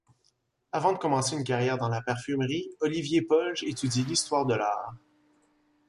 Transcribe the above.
Avant de commencer une carrière dans la parfumerie, Olivier Polge étudie l'histoire de l'art.